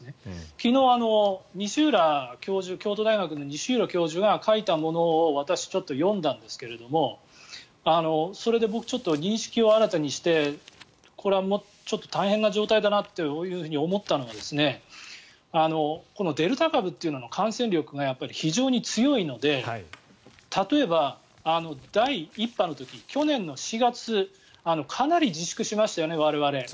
昨日、京都大学の西浦教授が書いたものを私、ちょっと読んだんですがそれで僕、認識を新たにしてこれは大変な状態だなと思ったのがデルタ株というものの感染力が非常に強いので例えば、第１波の時去年の４月かなり自粛しましたよね、我々。